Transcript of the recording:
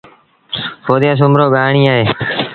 ڦوزيآ سومرو ڳآئيڻيٚ اهي۔